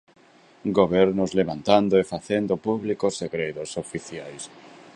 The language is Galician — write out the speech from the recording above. Gobernos levantando e facendo públicos segredos oficiais.